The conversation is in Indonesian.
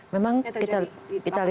memang kita lihat sampai september